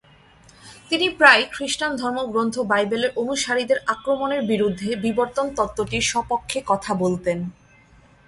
তিনি প্রায়ই খ্রিস্টান ধর্মগ্রন্থ বাইবেলের অনুসারীদের আক্রমণের বিরুদ্ধে বিবর্তন তত্ত্বটির স্বপক্ষে কথা বলতেন।